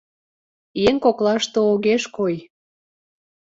Еҥ коклаште огеш кой.